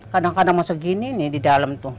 kadang kadang masih begini di dalam